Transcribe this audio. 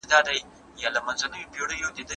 د ځوانانو ونډه تر نورو قشرونو اړينه ده.